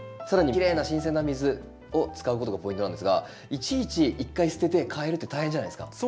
更にきれいな新鮮な水を使うことがポイントなんですがいちいち一回捨てて替えるって大変じゃないですか。